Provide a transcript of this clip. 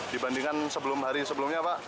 dibandingkan hari sebelumnya pak